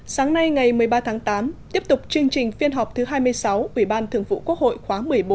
sáng nay ngày một mươi ba tháng tám tiếp tục chương trình phiên họp thứ hai mươi sáu ubthqh khóa một mươi bốn